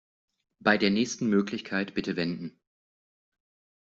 Bei der nächsten Möglichkeit bitte wenden.